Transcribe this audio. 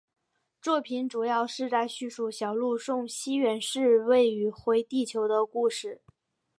作品主要是在叙述小路送西远寺未宇回地球的故事。